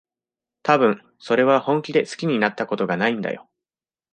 たぶん、それは本気で好きになったことがないんだよ。